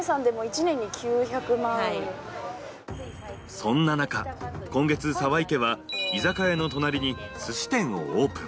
そんな中、今月澤井家は居酒屋の隣にすし店をオープン。